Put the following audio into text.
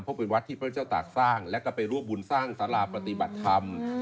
เพราะเป็นวัดที่พระเจ้าตากสร้างแล้วก็ไปร่วมบุญสร้างสาราปฏิบัติธรรม